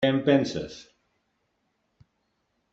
Què en penses?